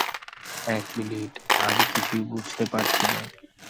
এক মিনিট, আমি কিছুই বুঝতে পারছি না।